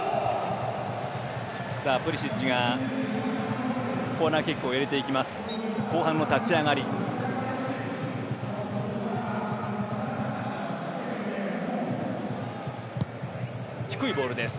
プリシッチがコーナーキックを入れていきます。